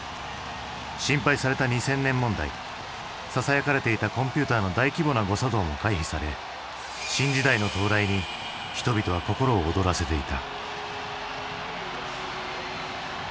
心配された２０００年問題ささやかれていたコンピューターの大規模な誤作動も回避され新時代の到来に人々は心を躍らせていた。